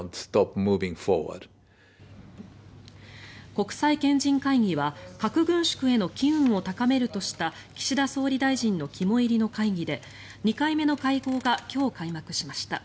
国際賢人会議は核軍縮への機運を高めるとした岸田総理大臣の肝煎りの会議で２回目の会合が今日、開幕しました。